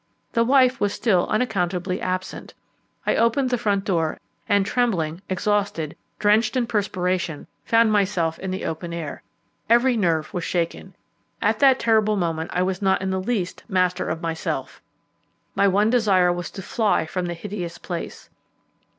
The wife was still unaccountably absent. I opened the front door, and trembling, exhausted, drenched in perspiration, found myself in the open air. Every nerve was shaken. At that terrible moment I was not in the least master of myself. My one desire was to fly from the hideous place.